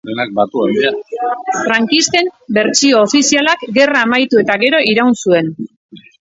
Frankisten bertsio ofizialak gerra amaitu eta gero iraun zuen.